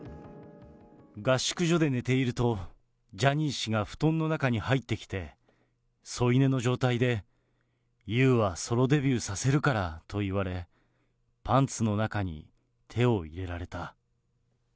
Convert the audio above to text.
合宿所で寝ていると、ジャニー氏が布団の中に入ってきて、添い寝の状態で、ユーはソロデビューさせるからと言われ、パンツの中に手を入れられた。